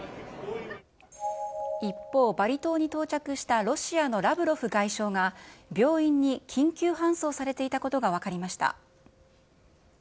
一方、バリ島に到着したロシアのラブロフ外相が、病院に緊急搬送されていたことが分かりました。